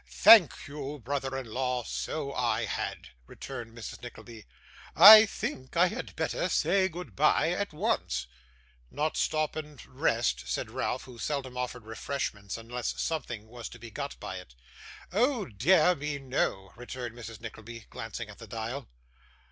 'Thank you, brother in law, so I had,' returned Mrs. Nickleby. 'I think I had better say goodbye, at once.' 'Not stop and rest?' said Ralph, who seldom offered refreshments unless something was to be got by it. 'Oh dear me no,' returned Mrs. Nickleby, glancing at the dial.